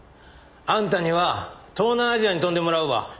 あんたには東南アジアに飛んでもらうわ。